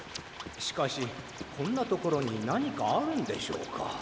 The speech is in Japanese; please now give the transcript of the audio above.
しかしこんなところになにかあるんでしょうか？